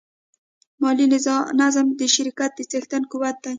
مالي نظم د شرکت د څښتن قوت دی.